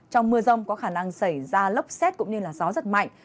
trong mưa rông có khả năng xảy ra lốc xét cũng như gió rất mạnh